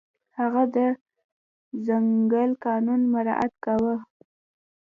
هغه د ځنګل قانون مراعت کاوه.